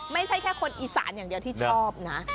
ไม่ใช่แค่คนอีสานอย่างเดียวที่ชอบนะ